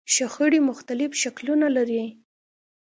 شخړې مختلف شکلونه لري.